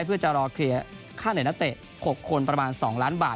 เพื่อจะรอเคลียร์ค่าเหนื่อยนักเตะ๖คนประมาณ๒ล้านบาท